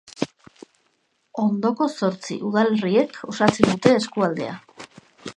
Ondoko zortzi udalerriek osatzen dute eskualdea.